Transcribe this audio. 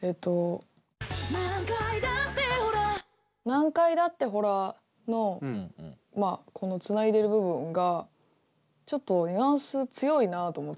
「何回だってほら」のこのつないでる部分がちょっとニュアンス強いなと思って。